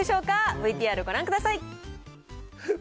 ＶＴＲご覧ください。